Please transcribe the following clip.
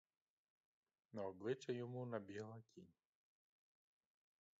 На обличчя йому набігла тінь.